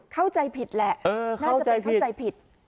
เข้าใจผิดแหละน่าจะเป็นเข้าใจผิด